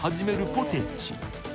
ポテチ